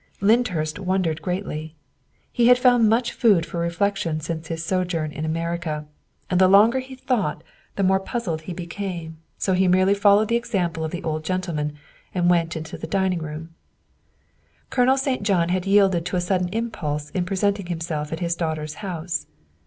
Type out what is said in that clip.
Lyndhurst wondered greatly. He had found much food for reflection since his sojourn in America, and the longer he thought the more puzzled he became, so THE SECRETARY OF STATE 217 he merely followed the example of the old gentleman and went into the dining room. Colonel St. John had yielded to a sudden impulse in presenting himself at his daughter's house.